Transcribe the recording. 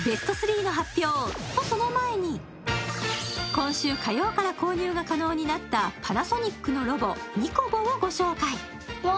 今週火曜から購入が可能になったパナソニックのロボＮＩＣＯＢＯをご紹介。